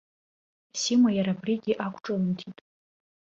Сима иара абригьы ақәҿылымҭит.